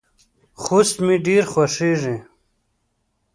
خوست مې ډیر خوښیږي.